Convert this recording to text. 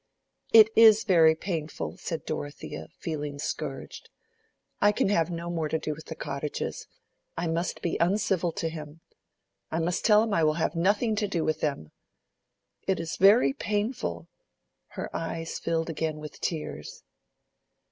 "It is very painful," said Dorothea, feeling scourged. "I can have no more to do with the cottages. I must be uncivil to him. I must tell him I will have nothing to do with them. It is very painful." Her eyes filled again with tears.